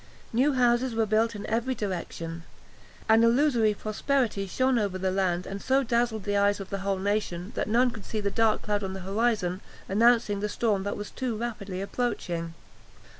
New houses were built in every direction; an illusory prosperity shone over the land, and so dazzled the eyes of the whole nation, that none could see the dark cloud on the horizon announcing the storm that was too rapidly approaching.